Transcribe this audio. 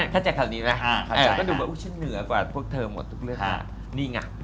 เข้าใจคำนี้ไหมแต่ก็ดูว่าฉันเหนือกว่าพวกเธอหมดทุกเรื่องนี่ไง